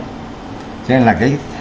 cho nên là cái